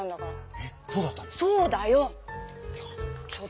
えっ⁉そうだったの？